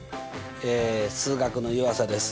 数学の湯浅です。